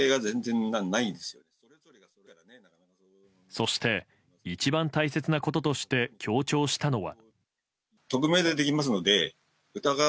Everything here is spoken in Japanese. そして一番大切なこととして強調したのは。